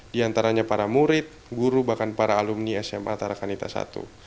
di antaranya para murid guru bahkan para alumni sma tarakanita i